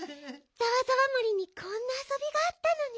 ざわざわ森にこんなあそびがあったのね。